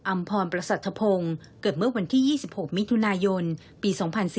พรประสัทธพงศ์เกิดเมื่อวันที่๒๖มิถุนายนปี๒๔๙